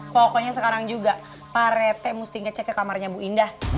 pokoknya sekarang juga pak rete mesti ngecek ke kamarnya bu indah